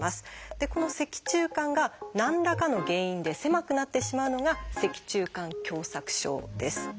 でこの脊柱管が何らかの原因で狭くなってしまうのが「脊柱管狭窄症」です。